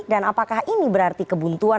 dan apakah ini berarti kebuntuan